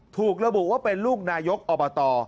ถูกระบุว่าเป็นลูกนายกอบต